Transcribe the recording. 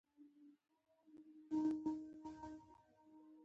له استادانو ټینګ غواړم احمد ته ډېره خواري وکړي.